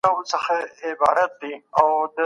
کله به نړیواله ټولنه ثبات تایید کړي؟